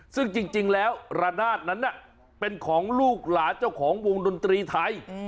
ซึ่งจริงแล้วระนาดนั้นเป็นของลูกหลานเจ้าของวงดนตรีไทย